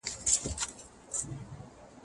که وخت وي مېوې وچوم